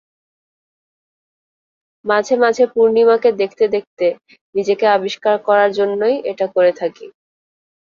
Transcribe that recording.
মাঝে মাঝে পূর্ণিমাকে দেখতে দেখতে নিজেকে আবিষ্কার করার জন্যই এটা করে থাকি।